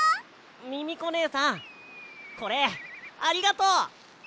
ミミコねえさんこれありがとう！